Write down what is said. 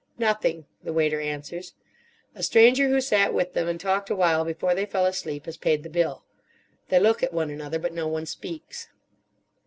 "Nothing," the waiter answers. A stranger who sat with them and talked awhile before they fell asleep has paid the bill. They look at one another, but no one speaks.